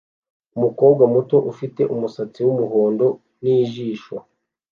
Umukobwa muto ufite umusatsi wumuhondo nijisho